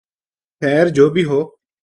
خیر جو بھی ہو